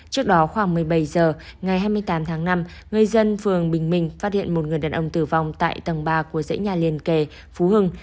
trước đó khoảng một mươi bảy h ngày hai mươi tám tháng năm người dân phường bình minh phát hiện một người đàn ông tử vong tại tầng ba của dãy nhà liền kề phú hưng